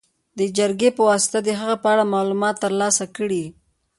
د جرګې په واسطه د هغې په اړه معلومات تر لاسه کړي.